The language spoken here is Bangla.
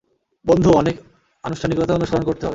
বন্ধু, অনেক আনুষ্ঠানিকতা অনুসরণ করতে হবে।